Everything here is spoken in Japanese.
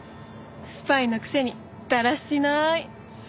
スパイのくせにだらしない！